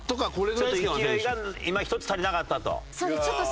ちょっと勢いがいま一つ足りなかったと？